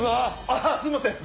あっすいません。